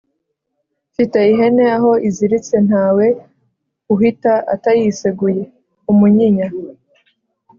Mfite ihene aho iziritse ntawe uhita atayiseguye-Umunyinya.